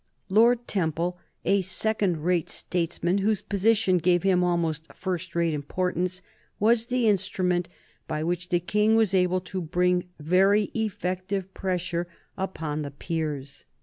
Lord Temple, a second rate statesman, whose position gave him almost first rate importance, was the instrument by which the King was able to bring very effective pressure upon the peers.